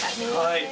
はい。